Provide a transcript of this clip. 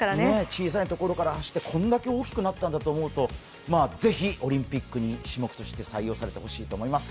小さいところから走ってこんだけ大きくなったんだと思うとぜひオリンピック種目として採用されてほしいと思います。